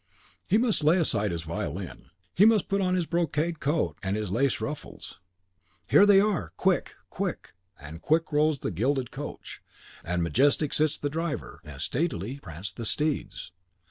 He must lay aside his violin; he must put on his brocade coat and his lace ruffles. Here they are, quick, quick! And quick rolls the gilded coach, and majestic sits the driver, and statelily prance the steeds.